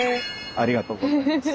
ありがとうございます。